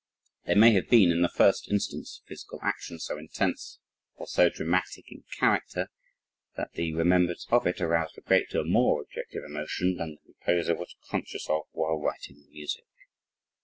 There may have been in the first instance physical action so intense or so dramatic in character that the remembrance of it aroused a great deal more objective emotion than the composer was conscious of while writing the music.